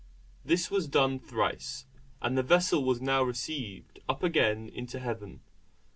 This was done thrice: and the vessel was received up again into heaven.